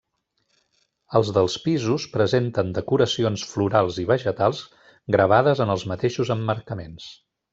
Els dels pisos presenten decoracions florals i vegetals gravades en els mateixos emmarcaments.